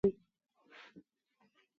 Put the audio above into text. د زنجبیل ریښه د مفصلونو د درد لپاره وکاروئ